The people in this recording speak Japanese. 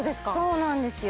そうなんですよ